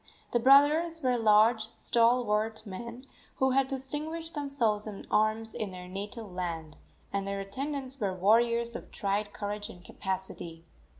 The brothers were large, stalwart men, who had distinguished themselves in arms in their native land, and their attendants were warriors of tried courage and capacity.